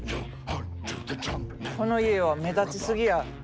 「この家は目立ちすぎや。